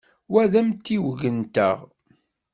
Wa d amtiweg-nteɣ.